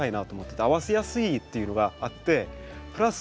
合わせやすいっていうのがあってプラス